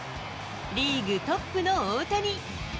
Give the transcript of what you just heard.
リーグトップの大谷。